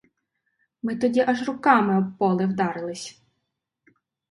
Ми тоді аж руками об поли вдарилися!